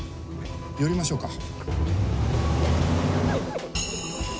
寄りましょうか。